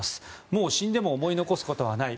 もう、死んでも思い残すことはない